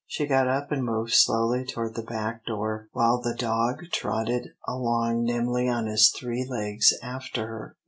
She got up and moved slowly toward the back door, while the dog trotted along nimbly on his three legs after her.